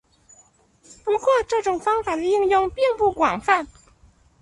不过这种方法的应用并不广泛。